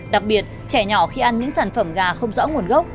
đặc biệt trẻ nhỏ khi ăn những sản phẩm gà không rõ nguồn gốc